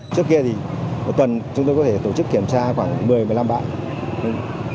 trước kia thì một tuần chúng tôi có thể tổ chức kiểm tra khoảng một mươi một mươi năm bạn